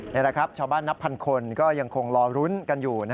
นี่แหละครับชาวบ้านนับพันคนก็ยังคงรอรุ้นกันอยู่